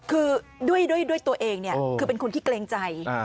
คือด้วยตัวเองคือเป็นคนขี้เกรงใจ